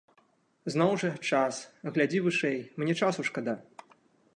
Зноў жа, час, глядзі вышэй, мне часу шкада.